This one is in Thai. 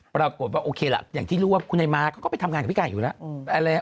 ปรากฏว่าโอเคล่ะอย่างที่รู้ว่าคุณนายมาเขาก็ไปทำงานกับพี่ไก่อยู่แล้ว